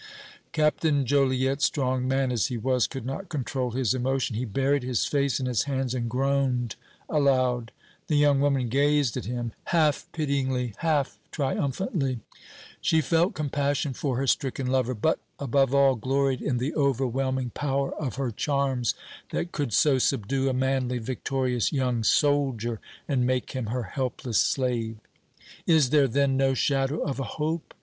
Captain Joliette, strong man as he was, could not control his emotion; he buried his face in his hands and groaned aloud. The young woman gazed at him half pityingly, half triumphantly; she felt compassion for her stricken lover, but, above all, gloried in the overwhelming power of her charms that could so subdue a manly, victorious young soldier and make him her helpless slave. "Is there then no shadow of a hope?"